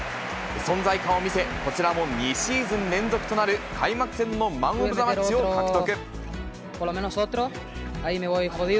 存在感を見せ、こちらも２シーズン連続となる開幕戦のマンオブザマッチを獲得。